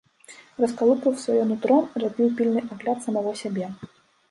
Раскалупваў сваё нутро, рабіў пільны абгляд самога сябе.